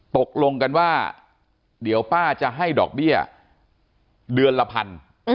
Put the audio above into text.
ตกลงกันว่าเดี๋ยวป้าจะให้ดอกเบี้ยเดือนละพัน